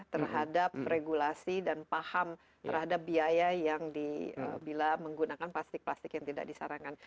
terhadap regulasi dan paham terhadap biaya yang di bila menggunakan plastik plastik yang tidak disarankan